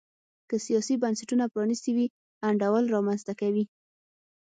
که سیاسي بنسټونه پرانیستي وي انډول رامنځته کوي.